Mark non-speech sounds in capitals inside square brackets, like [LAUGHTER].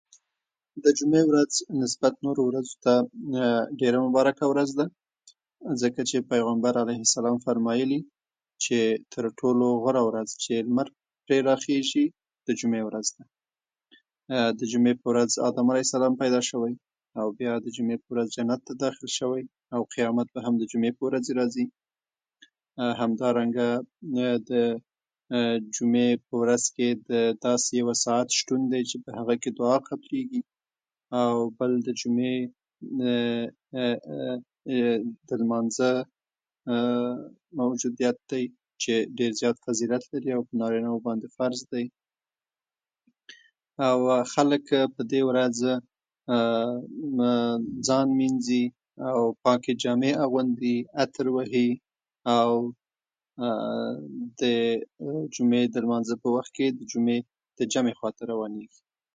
د جمعې ورځ نسبت نورو ورځو ته ډېره مبارکه ورځ ده، ځکه چې پیغمبر علیه السلام فرمايلي چې تر ټولو غوره ورځ چې لمر پرې راخېژي، جمعې ورځ ده. د جمعې په ورځ آدم علیه السلام پیدا شوی، او بیا د جمعې په ورځ جنت ته داخل شوی، او قیامت به هم د جمعې په ورځ راځي. همدارنګه د جمعې په ورځ کې د داسې یو ساعت شتون دی چې هغه کې دعا قبلېږي. او بل د جمعې [HESITATION] د لمانځه موجودیت دی چې ډېر زیات فضیلت لري، او په نارينه وو باندې فرض دی. او خلک په دې ورځ [HESITATION] ځان مينځي، او پاکې جامې اغوندي، عطر وهي، او [HESITATION] د جمعې د لمانځه په وخت کې جمعې خواته روانېږي.